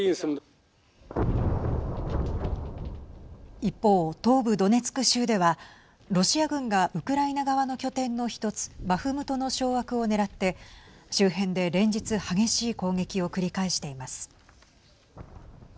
一方、東部ドネツク州ではロシア軍がウクライナ側の拠点の１つバフムトの掌握を狙って周辺で連日激しい攻撃を繰り返しています。